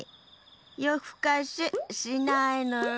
よふかししないのよ！